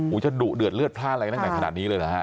อู๋จะดุเดือดเลือดพลาดอะไรในขณะนี้เลยเหรอฮะ